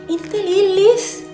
ini kan lilis